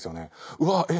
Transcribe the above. うわえっ！